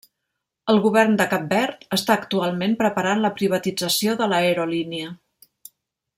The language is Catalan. El govern de Cap Verd està actualment preparant la privatització de l'aerolínia.